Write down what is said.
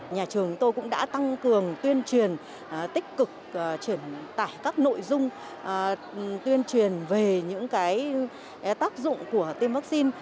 nhà trường tôi cũng đã tăng cường tuyên truyền tích cực truyền tải các nội dung tuyên truyền về những tác dụng của tiêm vaccine